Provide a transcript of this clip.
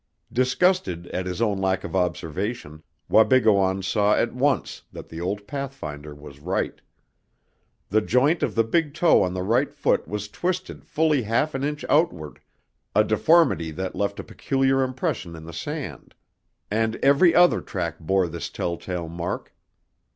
Disgusted at his own lack of observation, Wabigoon saw at once that the old pathfinder was right. The joint of the big toe on the right foot was twisted fully half an inch outward, a deformity that left a peculiar impression in the sand, and every other track bore this telltale mark.